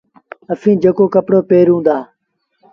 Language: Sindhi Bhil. اسيٚݩ جيڪو ڪپڙو پهرون دآ